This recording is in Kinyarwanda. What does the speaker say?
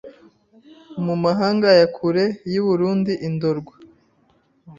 mu mahanga ya kure y’i Burundi i Ndorwa